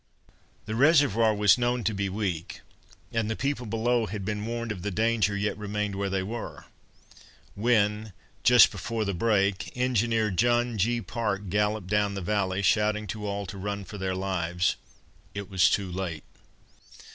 The reservoir was known to be weak, and the people below had been warned of the danger yet remained where they were. When, just before the break, Engineer John G. Parke galloped down the valley, shouting to all to run for their lives, it was too late.